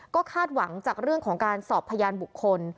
ก็คาดหวังจากเรื่องของการสอบพยานบุคคล